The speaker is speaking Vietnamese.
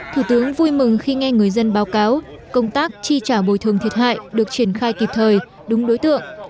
thủ tướng vui mừng khi nghe người dân báo cáo công tác chi trả bồi thường thiệt hại được triển khai kịp thời đúng đối tượng